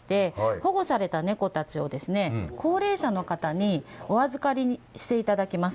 保護された猫たちを高齢者の方にお預かりしていただきます。